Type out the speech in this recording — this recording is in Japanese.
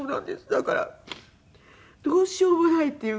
だからどうしようもないっていう感じで。